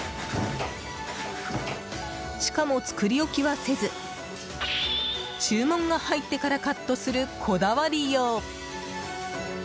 しかも、作り置きはせず注文が入ってからカットするこだわりよう。